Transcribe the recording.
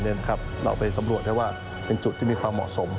เราไปสำรวจได้ว่าเป็นจุดที่มีความเหมาะสม